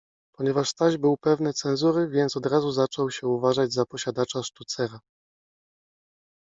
Ponieważ Staś był pewny cenzury, więc od razu zaczął się uważać za posiadacza sztucera.